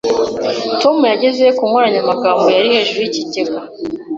Tom yageze ku nkoranyamagambo yari hejuru yikigega.